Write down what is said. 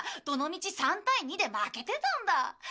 どの道３対２で負けてたんだ。